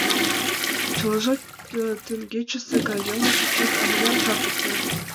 Чылажат теҥгечысе гай веле чучеш, а мыняр жап эртен!